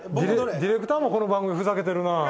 ディレクターもこの番組ふざけてるなあ。